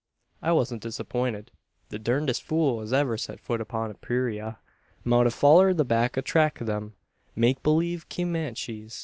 "I wan't disappinted. The durndest fool as ever set fut upon a purayra, mout a follered the back track o' them make believe Kimanchees.